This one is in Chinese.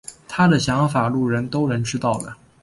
他的想法路人都能知道了。